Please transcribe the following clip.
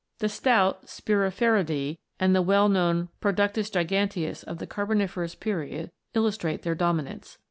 The stout Spiriferidse and the well known Producing giganteus of the Carboni ferous period illustrate their dominance.